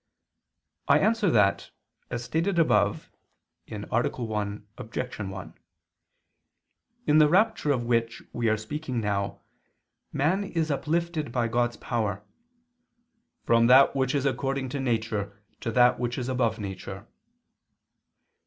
I answer that, As stated above (A. 1, Obj. 1), in the rapture of which we are speaking now, man is uplifted by God's power, "from that which is according to nature to that which is above nature."